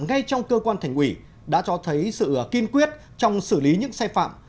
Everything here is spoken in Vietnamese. ngay trong cơ quan thành ủy đã cho thấy sự kiên quyết trong xử lý những sai phạm